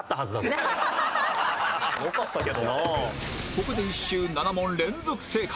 ここで１周７問連続正解